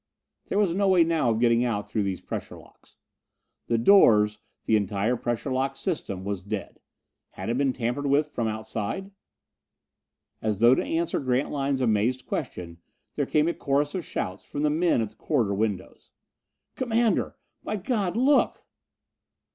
There was no way now of getting out through these pressure locks. The doors, the entire pressure lock system, was dead. Had it been tampered with from outside? As though to answer Grantline's amazed question there came a chorus of shouts from the men at the corridor windows. "Commander! By God look!"